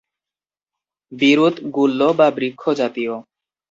বীরুৎ, গুল্ম বা বৃক্ষ জাতীয়।